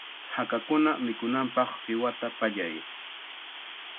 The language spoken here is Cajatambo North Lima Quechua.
Hakakuna mikunanpaq qiwata pallay.